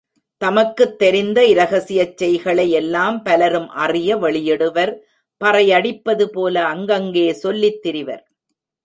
தமக்குத் தெரிந்த இரகசியச் செய்களை எல்லாம் பலரும் அறிய வெளியிடுவர் பறை அடிப்பதுபோல அங்கங்கே சொல்லித் திரிவர்.